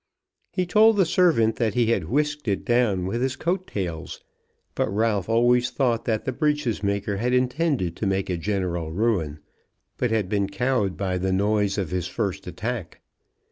He told the servant that he had whisked it down with his coat tails; but Ralph always thought that the breeches maker had intended to make a general ruin, but had been cowed by the noise of his first attack.